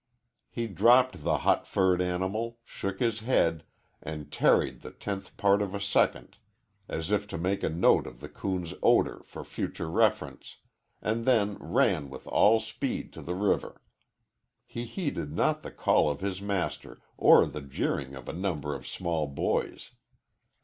He dropped the hot furred animal, shook his head, and tarried the tenth part of a second, as if to make a note of the coon's odor for future reference, and then ran with all speed to the river. He heeded not the call of his master or the jeering of a number of small boys.